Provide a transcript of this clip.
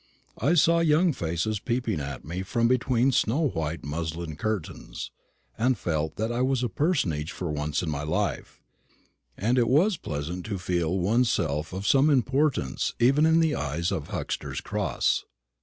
I saw young faces peeping at me from between snow white muslin curtains, and felt that I was a personage for once in my life; and it was pleasant to feel one's self of some importance even in the eyes of Huxter's Cross.